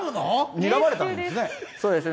にらまれたんですね。